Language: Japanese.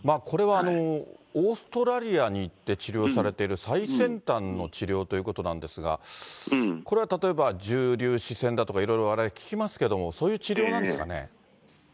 これはオーストラリアに行って治療されてる最先端の治療ということなんですが、これは例えば、重粒子線だとか、いろいろわれわれ聞きますけれども、そういう治療なんですかね。